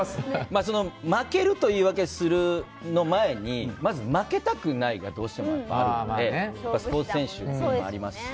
負けると言い訳するの前にまず、負けたくないがどうしてもあるのでスポーツ選手っていうのもありますし。